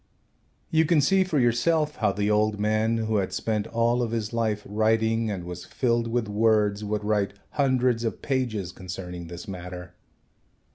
You can see for yourself how the old man, who had spent all of his life writing and was filled with words, would write hundreds of pages concerning this matter.